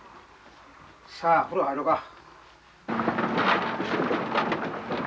さあ風呂入ろか。